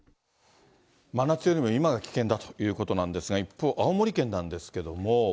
真夏よりも今が危険だということなんですが、一方、青森県なんですけれども。